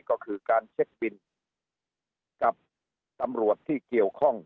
ก็คือการเช็คบินกับตำรวจที่เกี่ยวข้อง